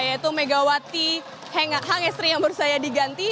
yaitu megawati hangestri yang berusaha diganti